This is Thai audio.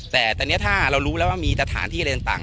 แต่ตอนนี้ถ้าเรารู้แล้วว่ามีสถานที่อะไรต่าง